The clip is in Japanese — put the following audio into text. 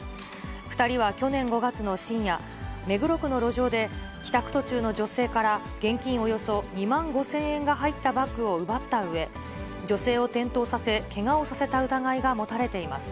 ２人は去年５月の深夜、目黒区の路上で、帰宅途中の女性から現金およそ２万５０００円が入ったバッグを奪ったうえ、女性を転倒させ、けがをさせた疑いが持たれています。